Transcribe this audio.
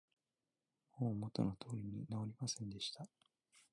もう元の通りに直りませんでした